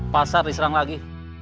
pasar diserang lagi